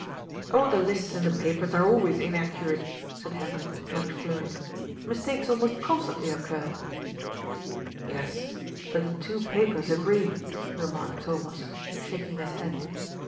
" Oh, the lists in the papers are always inaccurate," said Hendrik, much flurried. ^^ Mistakes almost constantly occur." BLANK. 167 Yes, but the two papers agree/* remarked Thomas, shaking his head.